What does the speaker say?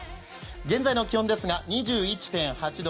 現在の気温ですが２１．８度。